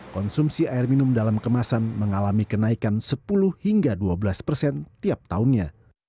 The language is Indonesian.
konsumsi air minum dalam kemasan mengalami kenaikan sepuluh hingga dua belas persen tiap tahunnya